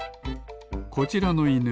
こちらのいぬ